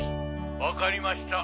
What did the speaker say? わかりました。